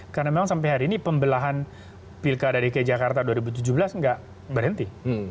karena memang sampai hari ini pembelahan pilkada dki jakarta dua ribu tujuh belas nggak berhenti